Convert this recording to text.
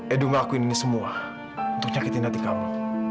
edo mengakui ini semua untuk menyakiti hati kamu